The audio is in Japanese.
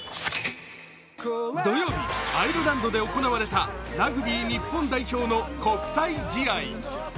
土曜日、アイルランドで行われたラグビー日本代表の国際試合。